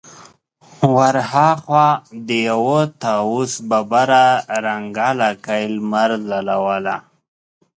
ور هاخوا د يوه طاوس ببره رنګه لکۍ لمر ځلوله.